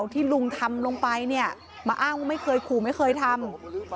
ที่ลุงทำลงไปเนี่ยมาอ้างว่าไม่เคยขู่ไม่เคยทำ